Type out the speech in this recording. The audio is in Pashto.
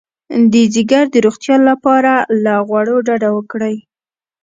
د ځیګر د روغتیا لپاره له غوړو ډډه وکړئ